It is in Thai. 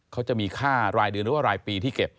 เขาจะมีค่ารายเดือนหรือว่ารายปีที่เก็บ